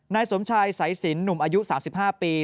นายสมชายสายสินหนุ่มอายุ๓๕ปี